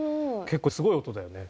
結構すごい音だよね。